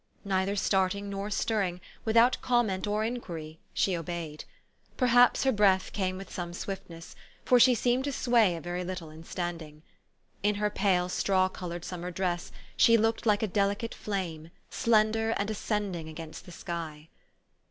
Neither starting nor stirring, without comment or inquiry, she obeyed. Perhaps her breath came with some swiftness ; for she seemed to sway a very little in standing. In her pale straw colored summer dress, she looked like a delicate flame, slender, and ascend ing against the sky.